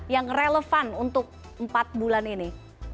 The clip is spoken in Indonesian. yang relevan untuk empat bulan ini